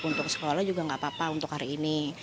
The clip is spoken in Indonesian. untuk sekolah juga nggak apa apa untuk hari ini